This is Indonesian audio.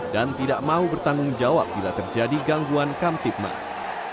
dan tidak mau bertanggung jawab bila terjadi gangguan kamtipmas